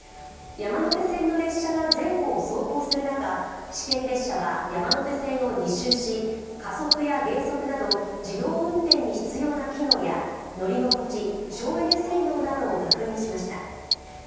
山手線の列車が前後を走行する中、試験列車は山手線を２周し加速や減速など自動運転に必要な機能や乗り心地、省エネ性能などを確認しました。